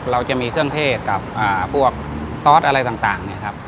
เราจะมีเครื่องเทศกับพวกซอสอะไรต่างเนี่ยครับ